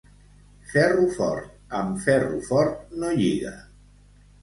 Ferro fort, amb ferro fort, no lliga.